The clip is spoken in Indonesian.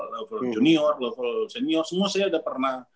level junior level senior semua saya udah pernah